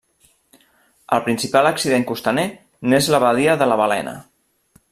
El principal accident costaner n'és la badia de la Balena.